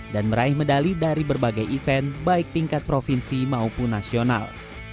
dan meraih medali dari berbagai event baik tingkat provinsi maupun nasional